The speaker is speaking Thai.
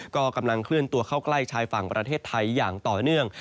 ก็กำลังเคลื่อนตัวเข้าใกล้ชายฝั่งประเทศไทยอย่างต่อเนื่อง